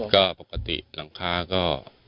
ก็ปกติหลังคาก็